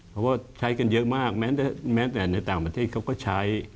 เพราะว่าใช้กันเยอะมากแม้แต่ในต่างประเทศเขาก็ใช้